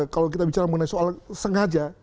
kalau kita bicara mengenai soal sengaja